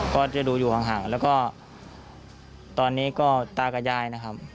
ก็จะดูอยู่ห่างแล้วก็ตอนนี้ก็ตากับยายนะครับ